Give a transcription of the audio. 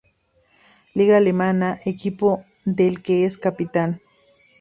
Liga alemana, equipo del que es capitán.